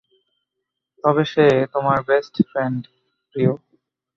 তবে সে তোমার বেস্ট ফ্রেন্ড, প্রিয়।